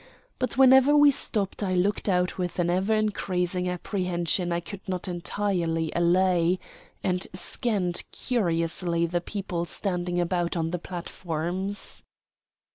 But whenever we stopped I looked out with an ever increasing apprehension I could not entirely allay, and scanned curiously the people standing about on the platforms.